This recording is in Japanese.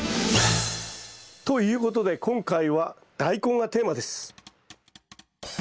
ということで今回はダイコンがテーマです。